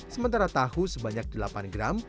sementara tahu sebanyak delapan gram